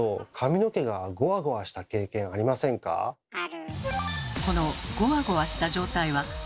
ある。